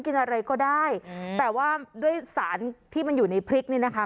กินอะไรก็ได้แต่ว่าด้วยสารที่มันอยู่ในพริกนี่นะคะ